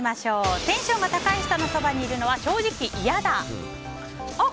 テンションが高い人のそばにいるのは正直嫌だ。